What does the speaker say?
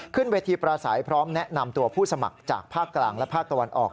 ขึ้นเวทีประสัยพร้อมแนะนำตัวผู้สมัครจากภาคกลางและภาคตะวันออก